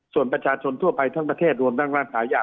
ส่วนประชาชนทั่วไปทั้งประเทศรวมทั้งร้านขายยา